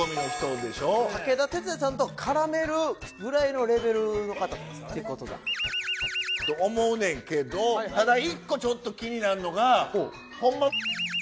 武田鉄矢さんと絡めるぐらいのレベルの方ですからね。と思うねんけどただ１個ちょっと気になるのが。